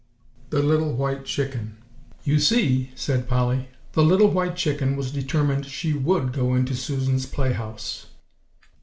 THE LITTLE WHITE CHICKEN. "You see," said Polly, "the little white chicken was determined she would go into Susan's playhouse."